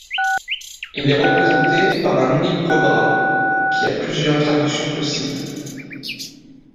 Il est représenté par un unique cobra, qui a plusieurs traductions possibles.